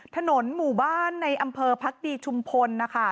ถนนหมู่บ้านในอำเภอพักดีชุมพลนะคะ